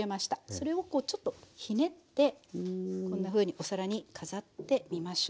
それをこうちょっとひねってこんなふうにお皿に飾ってみましょう。